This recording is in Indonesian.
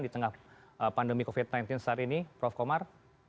di tengah pandemi covid sembilan belas saat ini prof komar